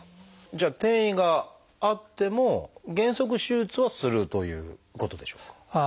じゃあ転移があっても原則手術はするということでしょうか？